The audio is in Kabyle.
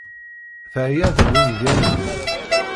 Teɛya deg ungal-nni.